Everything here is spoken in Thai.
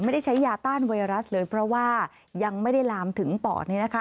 ใช้ยาต้านไวรัสเลยเพราะว่ายังไม่ได้ลามถึงปอด